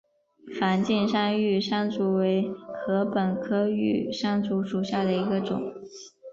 梵净山玉山竹为禾本科玉山竹属下的一个种。